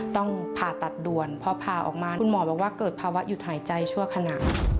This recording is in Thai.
ต้องผ่าตัดด่วนเพราะผ่าออกมาคุณหมอบอกว่าเกิดภาวะหยุดหายใจชั่วขณะ